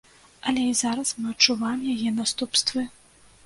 Але і зараз мы адчуваем яе наступствы.